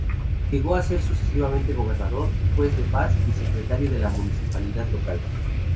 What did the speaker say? Llegó a ser sucesivamente gobernador, juez de paz y secretario de la municipalidad local.